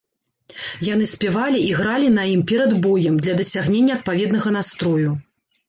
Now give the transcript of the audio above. Яны спявалі і гралі на ім перад боем, для дасягнення адпаведнага настрою.